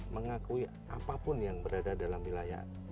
mengakui apapun yang berada dalam wilayah